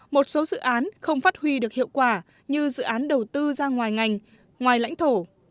một số dự án không phát huy được hiệu quả như dự án đầu tư ra ngoài ngành ngoài lãnh thổ